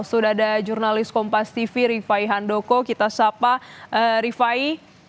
sudah ada jurnalis kompas tv rifai handoko kita sapa rifai